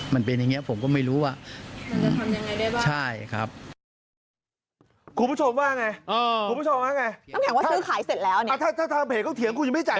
ถ้าเผยก็เถียงคุณยังไม่จ่ายกัน